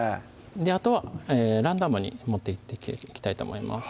あとはランダムに盛っていきたいと思います